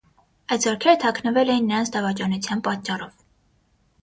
Այդ զորքերը թաքնվել էին նրանց դավաճանության պատճառով։